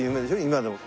今でも。